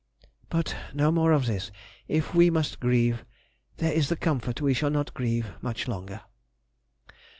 But no more of this; if we must grieve, there is the comfort we shall not grieve much longer.